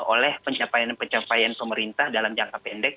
oleh pencapaian pencapaian pemerintah dalam jangka pendek